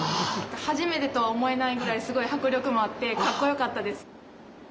初めてとは思えないぐらいすごい迫力もあってかっこよかったです。